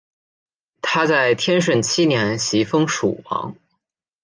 他在天顺七年袭封蜀王。